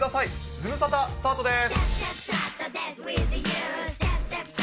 ズムサタ、スタートです。